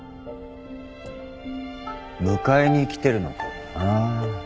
迎えに来てるのかもな。